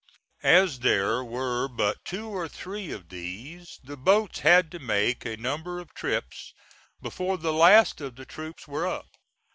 As there were but two or three of these, the boats had to make a number of trips before the last of the troops were up.